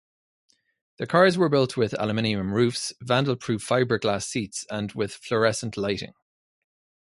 The cars were built with aluminum roofs, vandal-proof fiberglass seats, and with fluorescent lighting.